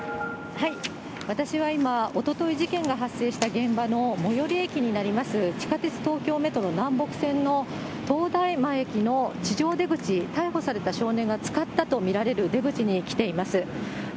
私は今、おととい事件が発生した現場の最寄り駅になります、地下鉄東京メトロ南北線の東大前駅の地上出口、逮捕された少年が使ったと見られる出口に来ています。